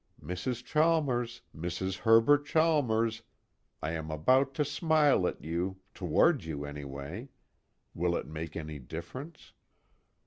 _Mrs. Chalmers, Mrs. Herbert Chalmers, I am about to smile at you, toward you anyway. Will it make any difference?